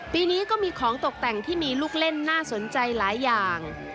ปีนี้ก็มีของตกแต่งที่มีลูกเล่นน่าสนใจหลายอย่าง